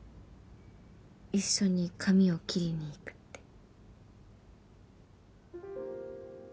一緒に髪を切りにいくって。